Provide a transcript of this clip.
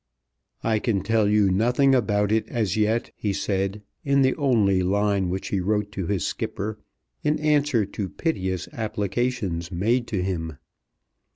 "I can tell you nothing about it as yet," he said in the only line which he wrote to his skipper in answer to piteous applications made to him.